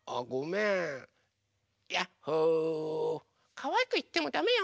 かわいくいってもだめよ！